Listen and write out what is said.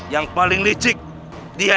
yang paling licik diantara kita